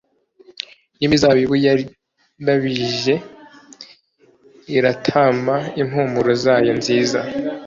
n’imizabibu yarabije, iratama impumuro zayo nziza.